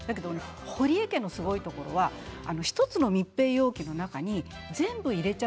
堀江家のすごいところは１つの密閉容器の中に全部入れちゃう。